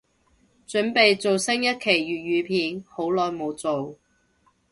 凖備做新一期粤語片，好耐無做